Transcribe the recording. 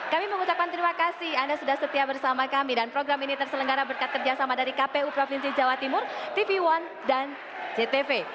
kami mengucapkan terima kasih anda sudah setia bersama kami dan program ini terselenggara berkat kerjasama dari kpu provinsi jawa timur tv one dan jtv